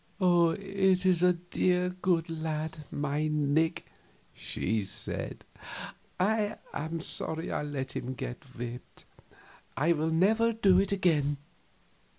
"It is a dear, good lad, my Nick," she said. "I am sorry I let him get whipped; I will never do it again.